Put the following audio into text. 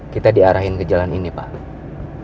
kita diarahin ke jalan ini pak